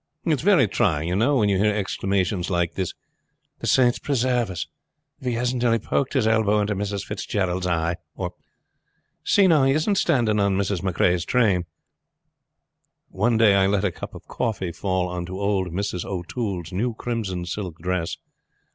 "It's trying, you know, when you hear exclamations like this: 'The saints presarve us! if he hasn't nearly poked his elbow into Mrs. Fitzgerald's eye!' or, 'See now, if he isn't standing on Miss Macrae's train!' One day I let a cup of coffee fall on to old Mrs. O'Toole's new crimson silk dress.